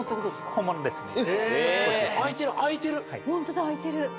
ホントだあいてる。